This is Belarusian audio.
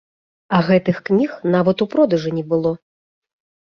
А гэтых кніг нават у продажы не было!